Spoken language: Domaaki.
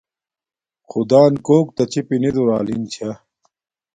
خدݳن کݸکتݳ چِپݵ نݵ دُرݳلِن چھݳ.